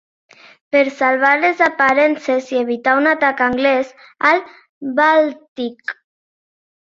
Per salvar les aparences i evitar un atac anglès al Bàltic.